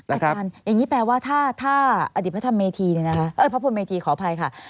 อาทานอย่างนี้แปลว่าถ้าอดีตพระพุทธเมธีขออภัยค่ะ